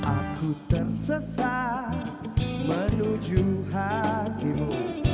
aku tersesat menuju hatimu